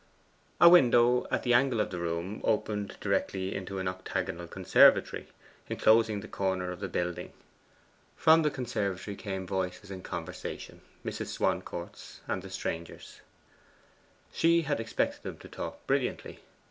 A window at the angle of the room opened directly into an octagonal conservatory, enclosing the corner of the building. From the conservatory came voices in conversation Mrs. Swancourt's and the stranger's. She had expected him to talk brilliantly.